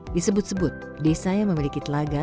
disebut sebut desa yang memiliki telaga